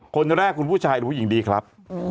คนแรกคุณผู้ชายรู้หญิงดีครับ